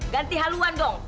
ganti haluan dong